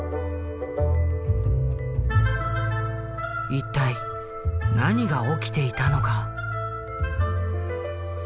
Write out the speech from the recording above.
一体何が起きていたのか？